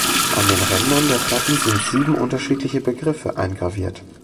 An den Rändern der Platten sind sieben unterschiedliche Begriffe eingraviert.